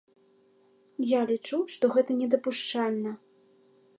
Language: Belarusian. Я лічу, што гэта недапушчальна!